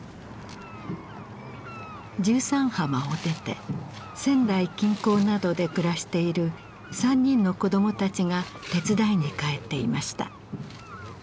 十三浜を出て仙台近郊などで暮らしている３人の子どもたちが手伝いに帰っていました。